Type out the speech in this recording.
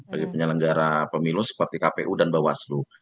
bagi penyelenggara pemilu seperti kpu dan bawaslu